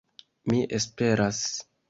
Mi esperas